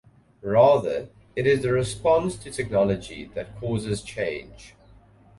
Rather, it is the "response" to technology that causes change.